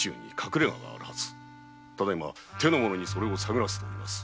手の者にそれを探らせております。